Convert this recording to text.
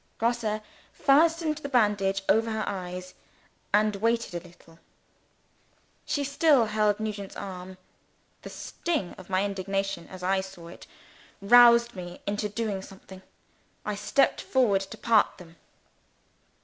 Grosse fastened the bandage over her eyes, and waited a little. She still held Nugent's arm. The sting of my indignation as I saw it, roused me into doing something. I stepped forward to part them.